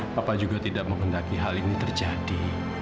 papa juga tidak mengendaki hal ini terjadi